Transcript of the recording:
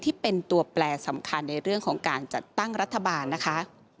ที่เป็นตัวแปลสำคัญในเรื่องของการจัดตั้งรัฐบาลนะคะ